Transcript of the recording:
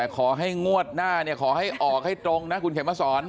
ขอให้งวดหน้าเนี่ยขอให้ออกให้ตรงนะคุณแข่มมัสร